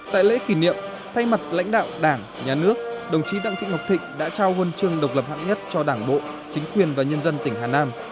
tại lễ kỷ niệm thay mặt lãnh đạo đảng nhà nước đồng chí đặng thị ngọc thịnh đã trao huân chương độc lập hạng nhất cho đảng bộ chính quyền và nhân dân tỉnh hà nam